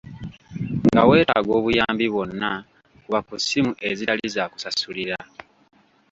Nga weetaaga obuyambi bwonna, kuba ku ssimu ezitali za kusasulira.